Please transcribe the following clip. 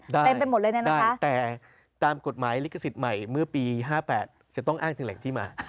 ได้ได้แต่ตามกฎหมายลิขสิทธิ์ใหม่เมื่อปี๕๘จะต้องอ้างถึงแหล่งที่มา